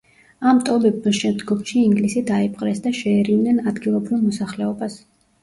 ამ ტომებმა შემდგომში ინგლისი დაიპყრეს და შეერივნენ ადგილობრივ მოსახლეობას.